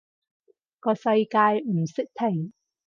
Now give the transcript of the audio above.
個世界唔識停